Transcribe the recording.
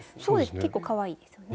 結構かわいいですよね。